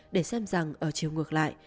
để xem rằng ở chiều ngược lại